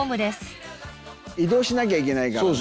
移動しなきゃいけないからね。